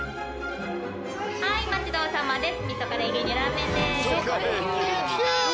はいお待ち遠さまです。